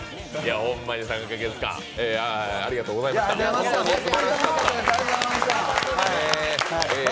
ホンマに３か月間、ありがとうございました。